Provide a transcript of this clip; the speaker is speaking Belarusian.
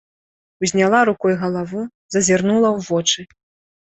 Узняла рукой галаву, зазірнула ў вочы.